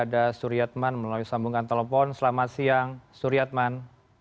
ada suryatman melalui sambungan telepon selamat siang suriatman